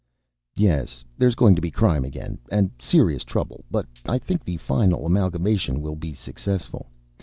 "Yes. There's going to be crime again, and serious trouble. But I think the final amalgamation will be successful.